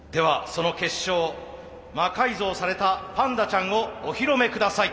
その結晶魔改造されたパンダちゃんを御披露目ください。